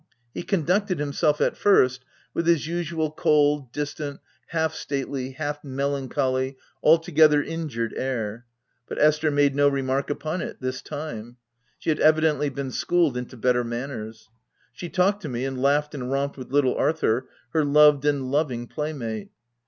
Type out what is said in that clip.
He conducted himself, at first, with his usual cold, distant, half stately, half melancholy, altogether injured air ; but Esther made no remark upon it this time ; she had evidently been schooled into better manners. She talked to me, and laughed and romped with little Arthur, her loved and loving playmate.